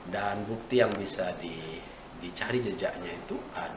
dan bukti yang bisa dicari jejaknya itu